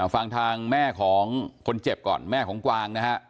ฟังทางแม่ของคนเจ็บก่อนแม่ของกวางนะฮะ